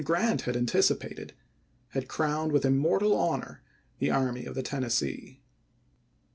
Grant." Vol. I., p. 281. had anticipated, had crowned with immortal honor the Army of the Tennessee.